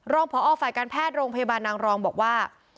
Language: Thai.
ผอฝ่ายการแพทย์โรงพยาบาลนางรองบอกว่า